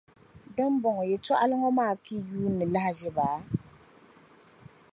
Di ni bɔŋɔ, yɛtɔɣili ŋɔ maa ka yi yuuni lahiʒiba?